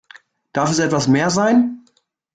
Darf es etwas mehr sein?